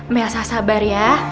mbak elsa sabar ya